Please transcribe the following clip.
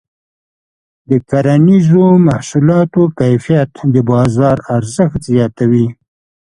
د کرنیزو محصولاتو کیفیت د بازار ارزښت زیاتوي.